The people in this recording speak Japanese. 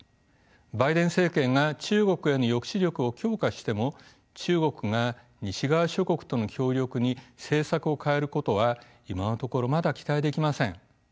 バイデン政権が中国への抑止力を強化しても中国が西側諸国との協力に政策を変えることは今のところまだ期待できません。